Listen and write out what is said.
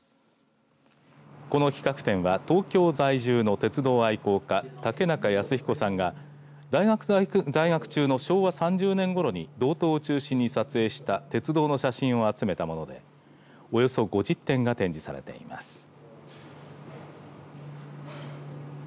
この企画展は東京在住の鉄道愛好家竹中泰彦さんが大学在学中の昭和３０年ごろに道東を中心に撮影した鉄道の写真を集めたものでおよそ５０点が展示されています。